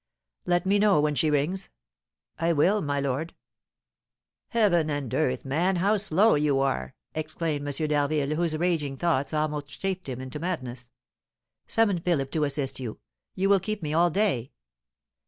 "Let me know when she rings." "I will, my lord." "Heaven and earth, man, how slow you are!" exclaimed M. d'Harville, whose raging thoughts almost chafed him into madness; "summon Philip to assist you; you will keep me all day."